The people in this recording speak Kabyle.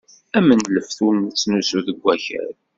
Am lleft ur nettnusu deg wakal.